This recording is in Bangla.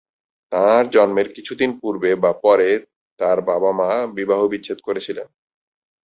তাঁর জন্মের কিছু দিন পূর্বে বা পরে তার বাবা-মা বিবাহবিচ্ছেদ করেছিলেন।